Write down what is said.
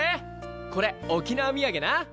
これ沖縄土産な！